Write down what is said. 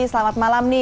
selamat malam nih